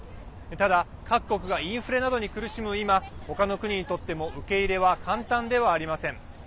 ただ、各国がインフレなどに苦しむ今他の国にとっても受け入れは簡単ではありません。